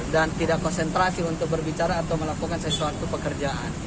dan tidak konsentrasi untuk berbicara atau melakukan sesuatu pekerjaan